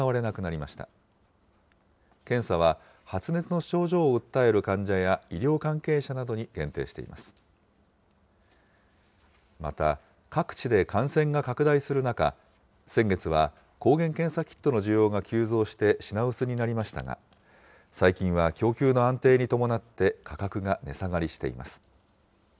また、各地で感染が拡大する中、先月は抗原検査キットの需要が急増して品薄になりましたが、最近は供給の安定に伴って価格が値下がりしています。